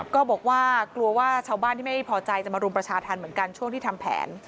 ก็บอกว่ากลัวว่าชาวบ้านที่ไม่พอใจจะมารุมประชาธรรมเหมือนกันช่วงที่ทำแผน